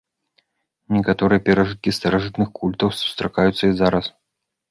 Некаторыя перажыткі старажытных культаў сустракаюцца і зараз.